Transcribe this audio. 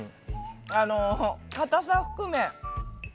あのかたさ含め。